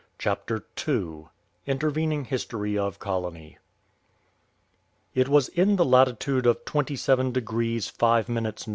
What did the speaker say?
CHAPTER II INTERVENING HISTORY OF COLONY It was in the latitude of 27 degrees 5 minutes N.